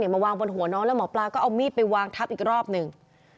มาวางบนหัวน้องแล้วหมอปลาก็เอามีดไปวางทับอีกรอบหนึ่ง